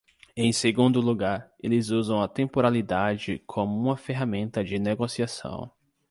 Em segundo lugar, eles usam a temporalidade como uma ferramenta de negociação.